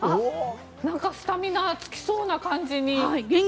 なんかスタミナつきそうな感じに。